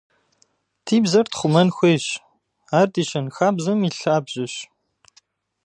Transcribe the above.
Ди бзэр тхъумэн хуейщ, ар ди щэнхабзэм и лъабжьэщ.